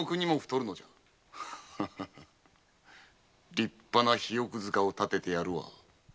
立派な比翼塚を建ててやるわ。